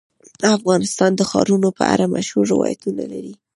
افغانستان د ښارونو په اړه مشهور روایتونه لري.